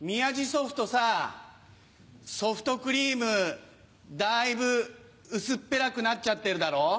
ソフトさソフトクリームだいぶ薄っぺらくなっちゃってるだろ？